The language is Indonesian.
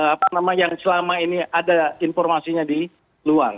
apa nama yang selama ini ada informasinya di luar